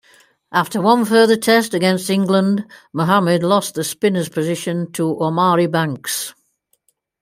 After one further Test against England Mohammad lost the spinner's position to Omari Banks.